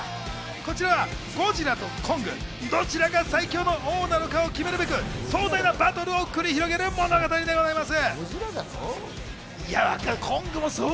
こちらはゴジラとコング、どちらが最強の王なのかを決めるべく、壮大なバトルを繰り広げる物語でございます。